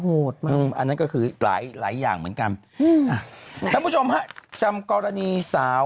โหดอันนั้นก็คือหลายอย่างเหมือนกันท่านผู้ชมจำกรณีสาว